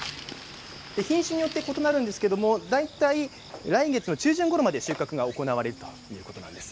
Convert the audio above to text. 品種によって異なるんですけれど大体来月の中旬ごろまで収穫が行われるということなんです。